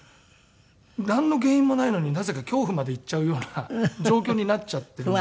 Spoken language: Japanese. なんの原因もないのになぜか恐怖までいっちゃうような状況になっちゃってるので。